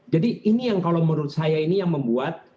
jadi ini yang kalau menurut saya ini yang membuat